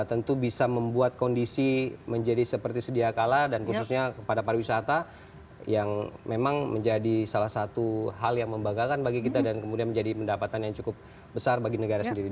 tentu bisa membuat kondisi menjadi seperti sedia kala dan khususnya kepada pariwisata yang memang menjadi salah satu hal yang membanggakan bagi kita dan kemudian menjadi pendapatan yang cukup besar bagi negara sendiri